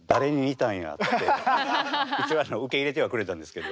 一応受け入れてはくれたんですけど。